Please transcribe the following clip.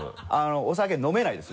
お酒飲めないです